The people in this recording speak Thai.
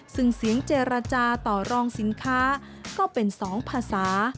ซึ่งเสียงเจรจาต่อรองสินค้าก็เป็น๒ภาษา